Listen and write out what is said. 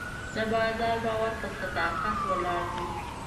د بازار باور په صداقت ولاړ وي.